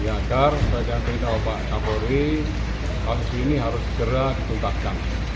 agar seperti yang terdengar pak kapolri hal ini harus segera dituntaskan